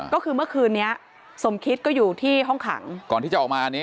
ก็คือเมื่อคืนนี้สมคิตก็อยู่ที่ห้องขังก่อนที่จะออกมาอันนี้